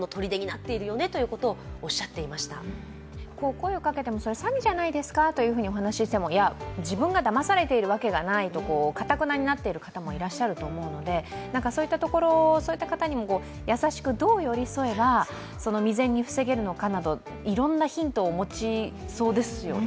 声をかけても、詐欺じゃないですかとお話ししても、自分がだまされているわけがないとかたくなになっている方もいらっしゃると思うので、そういった方にも優しくどう寄り添えば未然に防げるかなど、いろんなヒントをお持ちそうですよね。